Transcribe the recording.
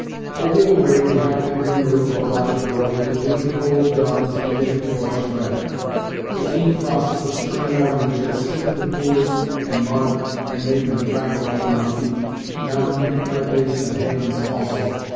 Over the way, behind the green roof of a large building, the dim, cold dawn was beginning to blush red. The keen frost of the spring morning which had stiffened the pools and mud and made them crackle under my feet now nipped my face and hands also.